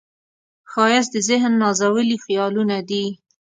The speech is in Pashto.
ښایست د ذهن نازولي خیالونه دي